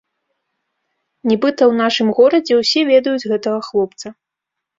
Нібыта, у нашым горадзе ўсе ведаюць гэтага хлопца.